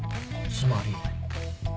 つまり？